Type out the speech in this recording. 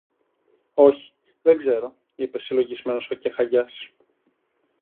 Όχι, δεν ξέρω, είπε συλλογισμένος ο Κεχαγιάς.